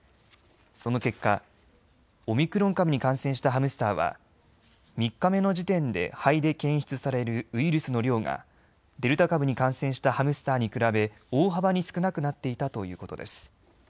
その結果、オミクロン株に感染したハムスターは３日目の時点で肺で検出されるウイルスの量がデルタ株に感染したハムスターに比べ、大幅に少なくなっていたということです。